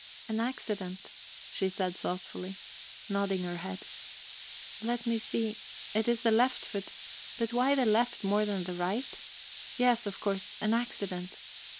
"An accident," she said thoughtfully, nodding her head. "Let me see it is the left foot but why the left more than the right? Yes, of course, an accident..."